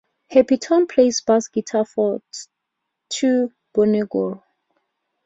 Happy-Tom plays bass guitar for Turbonegro.